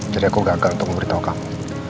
jadi aku gagal untuk memberitahu kamu